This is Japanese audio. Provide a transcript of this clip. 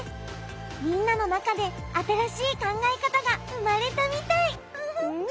みんなの中で新しい考え方が生まれたみたい。